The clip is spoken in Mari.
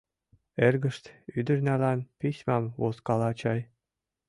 Эргышт ӱдырналан письмам возкала чай?